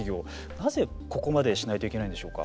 なぜここまでしないといけないんでしょうか。